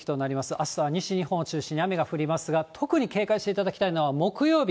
あしたは西日本を中心に雨が降りますが、特に警戒していただきたいのは木曜日。